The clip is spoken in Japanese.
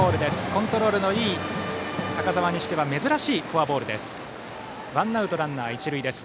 コントロールのいい高澤には珍しいフォアボールです。